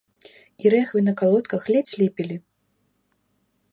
І рэхвы на калодках ледзь ліпелі.